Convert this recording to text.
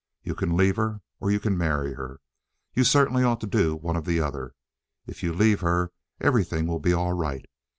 You can leave her, or you can marry her. You certainly ought to do one or the other. If you leave her, everything will be all right.